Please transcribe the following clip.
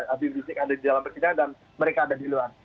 habib rizik ada di dalam persidangan dan mereka ada di luar